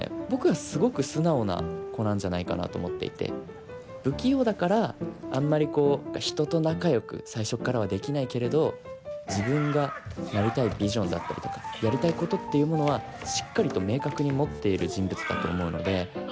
僕はすごく素直な子なんじゃないかなと思っていて不器用だからあんまりこう人と仲よく最初っからはできないけれど自分がなりたいビジョンだったりとかやりたいことっていうものはしっかりと明確に持っている人物だと思うので。